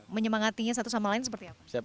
menyemangatinya satu sama lain seperti apa